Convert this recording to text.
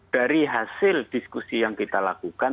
dari hasil diskusi yang kita lakukan